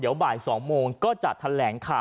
เดี๋ยวอันให้การปรับกรุ่นก็จัดแหลงข่าว